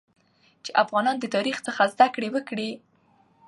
چې افغانان د تاریخ څخه زده کړه وکړي